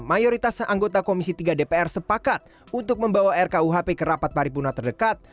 mayoritas anggota komisi tiga dpr sepakat untuk membawa rkuhp ke rapat paripurna terdekat